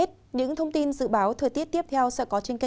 quần đảo trường sa